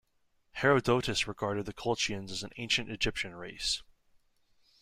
Herodotus regarded the Colchians as an Ancient Egyptian race.